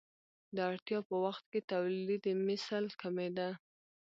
د اړتیا په وخت کې تولیدمثل کمېده.